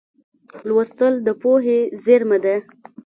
لوستل د پوهې زېرمه ده.